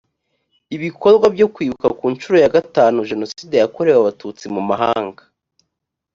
ibikorwa byo kwibuka ku nshuro ya gatanu jenoside yakorewe abatutsi mu mahanga